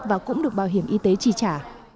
và cũng được bảo hiểm y tế tri trả